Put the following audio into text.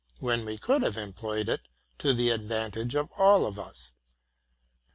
when we could have employed it to the advantage of all of us.